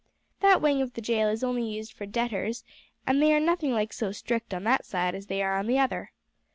That wing of the jail is only used for debtors, and they are nothing like so strict on that side as they are on the other.